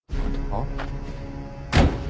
あっ？